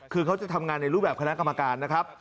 คือเขาจะทำงานในรูปแบบคณะกรรมการนะครับ